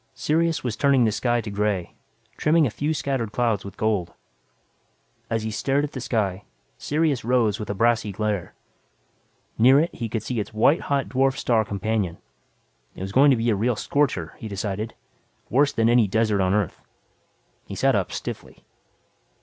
Sirius was turning the sky to gray, trimming a few scattered clouds with gold. As he stared at the sky, Sirius rose with a brassy glare. Near it he could see its white hot dwarf star companion. It was going to be a real scorcher, he decided; worse than any desert on Earth. He sat up stiffly.